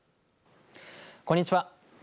こんにちは。